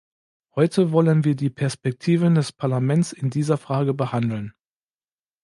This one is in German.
Heute wollen wir die Perspektiven des Parlaments in dieser Frage behandeln.